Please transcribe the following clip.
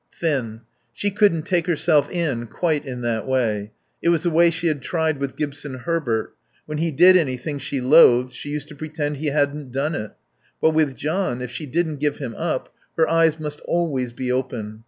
Thin. She couldn't take herself in quite in that way. It was the way she had tried with Gibson Herbert. When he did anything she loathed she used to pretend he hadn't done it. But with John, if she didn't give him up, her eyes must always be open.